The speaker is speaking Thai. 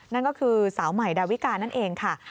นั่นก็คือสาวใหม่ดาวิกานั่นเองค่ะ